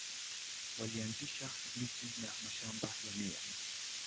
Walianzisha miji na mashamba ya miwa.